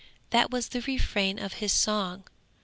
That was the refrain of his song.